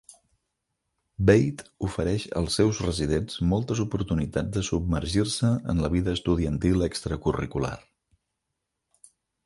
Beit ofereix als seus residents moltes oportunitats de submergir-se en la vida estudiantil extracurricular.